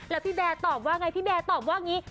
แล้วพี่แบร์ตอบว่าไงพี่แบร์ตอบว่าอย่างนี้